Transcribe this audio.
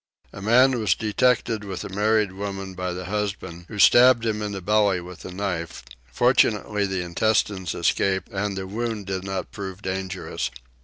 A man was detected with a married woman by the husband, who stabbed him in the belly with a knife: fortunately the intestines escaped and the wound did not prove dangerous.